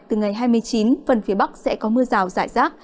từ ngày hai mươi chín phần phía bắc sẽ có mưa rào rải rác